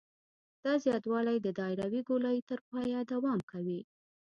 دا زیاتوالی د دایروي ګولایي تر پایه دوام کوي